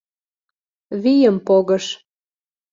Вийым погыш